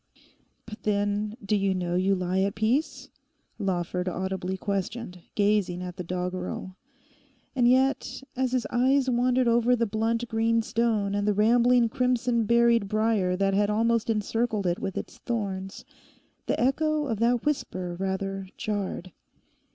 'But then, do you know you lie at peace?' Lawford audibly questioned, gazing at the doggerel. And yet, as his eyes wandered over the blunt green stone and the rambling crimson berried brier that had almost encircled it with its thorns, the echo of that whisper rather jarred.